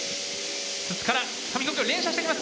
筒から紙飛行機を連射していきます。